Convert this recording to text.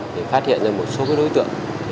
để phát hiện ra một số đối tượng